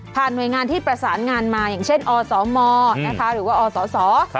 หน่วยงานที่ประสานงานมาอย่างเช่นอสมนะคะหรือว่าอศ